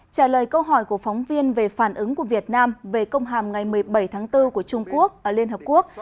trả lời câu hỏi của phóng viên về phản ứng của việt nam về công hàm ngày một mươi bảy tháng bốn của trung quốc ở liên hợp quốc